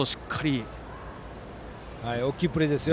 今のは大きいプレーですよ。